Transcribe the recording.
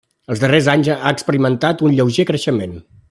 Els darrers anys ha experimentat un lleuger creixement.